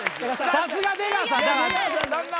さすが出川さん！